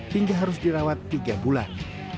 hingga harus dirawat tiga bulan